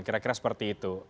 kira kira seperti itu